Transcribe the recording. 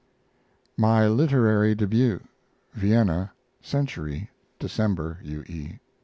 MY LITERARY DEBUT (Vienna) Century, December. U. E.